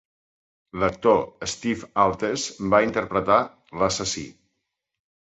L'actor Steve Altes va interpretar l'assassí.